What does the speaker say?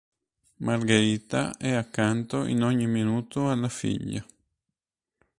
Margherita è accanto in ogni minuto alla figlia.